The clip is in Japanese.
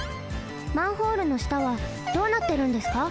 マンホールのしたはどうなってるんですか？